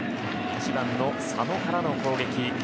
１番、佐野からの攻撃。